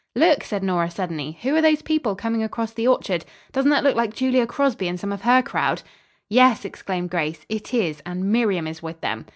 "Look!" said Nora suddenly. "Who are those people coming across the orchard? Doesn't that look like Julia Crosby and some of her crowd?" "Yes," exclaimed Grace, "it is, and Miriam is with them."